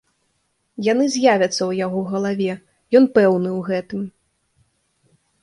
Яны з'явяцца ў яго галаве, ён пэўны ў гэтым.